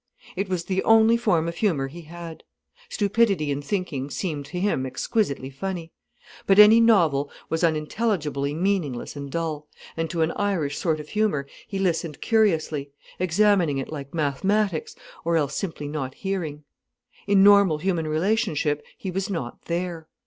It was the only form of humour he had. Stupidity in thinking seemed to him exquisitely funny. But any novel was unintelligibly meaningless and dull, and to an Irish sort of humour he listened curiously, examining it like mathematics, or else simply not hearing. In normal human relationship he was not there.